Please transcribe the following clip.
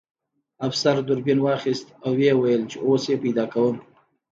افسر دوربین واخیست او ویې ویل چې اوس یې پیدا کوم